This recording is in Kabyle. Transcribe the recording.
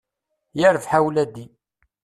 Yarbaḥ a wladi.